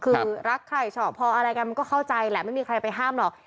คือรักใครชอบพออะไรกันมันก็เข้าใจแหละไม่มีใครไปห้ามหรอก